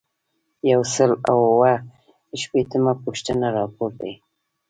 یو سل او اووه شپیتمه پوښتنه راپور دی.